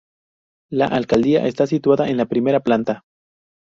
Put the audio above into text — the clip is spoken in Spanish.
La Alcaldía está situada en la primera planta.